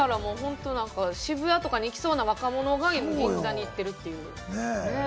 渋谷とかに行きそうな若者が銀座に行ってるというね。